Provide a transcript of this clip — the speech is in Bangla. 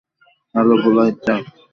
হার্লো গোল্লায় যাক।